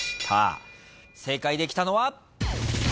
正解できたのは。